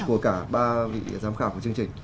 của cả ba vị giám khảo của chương trình